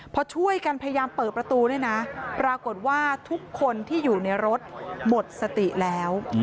พอช่วยกันพยายามเปิดประตูด้วยนะปรากฏว่าทุกคนที่อยู่ในรถหมดสติแล้ว